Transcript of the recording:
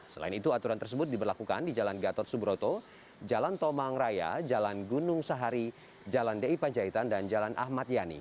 selain itu aturan tersebut diberlakukan di jalan gatot subroto jalan tomang raya jalan gunung sahari jalan di panjaitan dan jalan ahmad yani